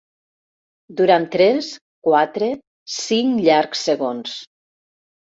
Durant tres, quatre, cinc llargs segons.